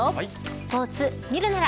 スポーツ見るなら。